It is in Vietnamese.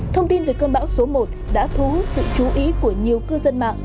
thông tin về cơn bão số một đã thu hút sự chú ý của nhiều cư dân mạng